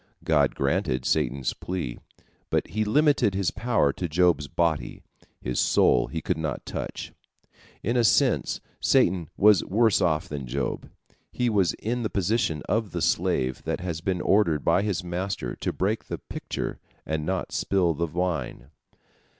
God granted Satan's plea, but he limited his power to Job's body, his soul he could not touch. In a sense Satan was worse off than Job. He was in the position of the slave that has been ordered by his master to break the pitcher and not spill the wine.